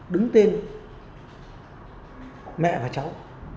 đứng tên mẹ và cháu